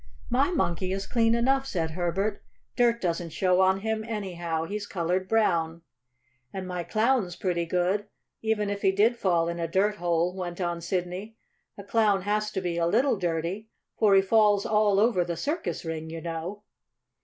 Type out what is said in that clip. "My Monkey is clean enough," said Herbert. "Dirt doesn't show on him, anyhow. He's colored brown." "And my Clown's pretty good, even if he did fall in a dirt hole," went on Sidney. "A Clown has to be a little dirty, for he falls all over the circus ring, you know."